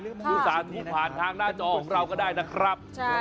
ผู้สาธุผ่านทางหน้าจอของเราก็ได้นะครับ